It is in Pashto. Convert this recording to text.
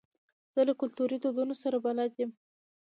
زه له کلتوري دودونو سره بلد یم.